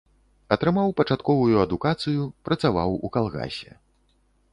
Атрымаў пачатковую адукацыю, працаваў у калгасе.